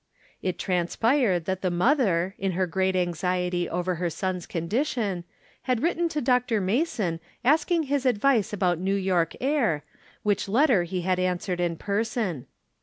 It transpired that the mother, in her great anx iety over her son's condition, had written to Dr. Mason asking his advice about New York air, which letter he had answered in person.